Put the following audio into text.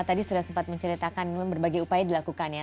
tadi sudah sempat menceritakan berbagai upaya dilakukan ya